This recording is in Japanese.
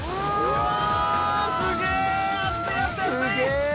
すげえ！